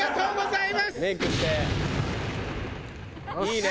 いいね！